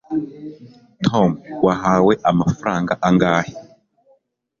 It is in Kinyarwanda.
tom wahaye amafaranga angahe